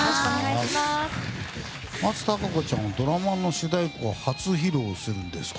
松たか子ちゃんドラマの主題歌を初披露するんですか。